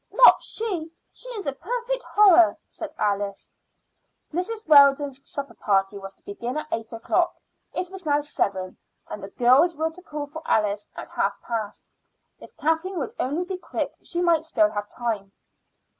"Not she. She is a perfect horror," said Alice. Mrs. Weldon's supper party was to begin at eight o'clock. It was now seven, and the girls were to call for Alice at half past. If Kathleen would only be quick she might still have time.